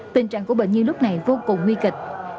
tình trạng của bệnh nhân lúc này vô cùng nguy kịch